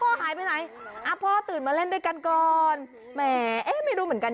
หายไปไหนอ่ะพ่อตื่นมาเล่นด้วยกันก่อนแหมเอ๊ะไม่รู้เหมือนกัน